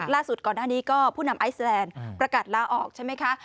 ก่อนหน้านี้ก็ผู้นำไอซแลนด์ประกาศลาออกใช่ไหมคะ